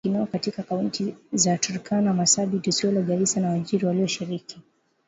maafisa wengineo katika Kaunti za Turkana Marsabit Isiolo Garissa na Wajir walioshiriki